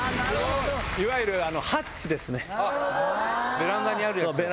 ベランダにあるやつ。